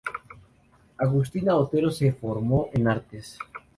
Agustina Otero se formó en artes.